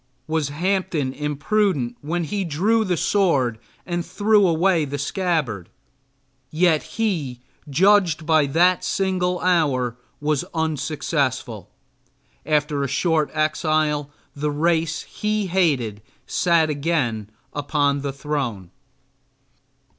Was Hampden imprudent when he drew the sword and threw away the scabbard? Yet he, judged by that single hour, was unsuccessful. After a short exile the race he hated sat again upon the throne.